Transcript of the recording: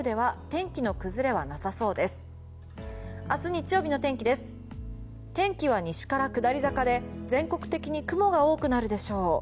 天気は西から下り坂で全国的に雲が多くなるでしょう。